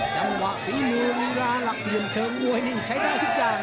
จังหวะฝีมือลีลาหลักเหลี่ยมเชิงมวยนี่ใช้ได้ทุกอย่าง